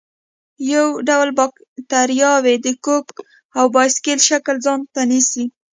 یوه ډله باکتریاوې د کوک او باسیل شکل ځانته نیسي.